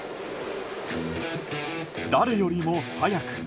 誰よりも速く。